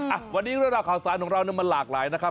อ่าทะวันนี้กระดาษข่าวสารของเรามาหลากหลายนะครับ